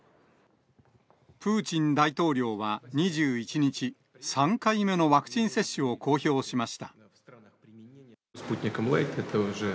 プーチン大統領は２１日、３回目のワクチン接種を公表しました。